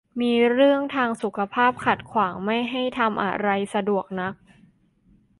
มีเรื่องทางสุขภาพขัดขวางไม่ให้ทำอะไรสะดวกนัก